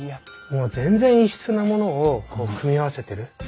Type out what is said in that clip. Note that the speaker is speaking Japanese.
もう全然異質なものをこう組み合わせてる。